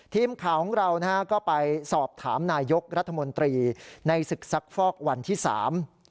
ทีมข่าวของเรานะฮะก็ไปสอบถามนายกรัฐมนตรีในศึกซักฟอกวันที่สาม